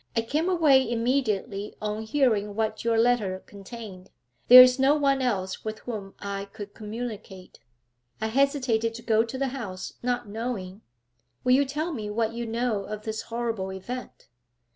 'I came away immediately on hearing what your letter contained. There is no one else with whom I could communicate. I hesitated to go to the house, not knowing Will you tell me what you know of this horrible event?'